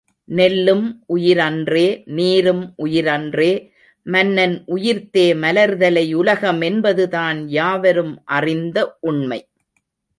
நெல்லும் உயிரன்றே நீரும் உயிரன்றே மன்னன் உயிர்த்தே மலர்தலை உலகம் என்பதுதான் யாவரும் அறிந்த உண்மை.